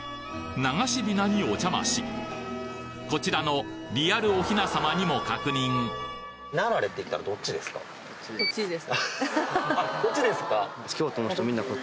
流し雛にお邪魔しこちらのリアルお雛様にも確認こっちですか？